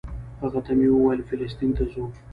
هغه ته مې ویل فلسطین ته ځو.